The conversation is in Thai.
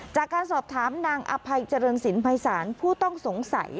จากการสอบถามนางอภัยเจริญสินภัยศาลผู้ต้องสงสัย